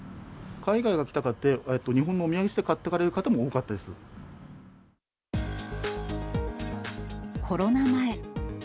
海外から来た方が日本のお土産にして買っていかれる方も多かったコロナ前。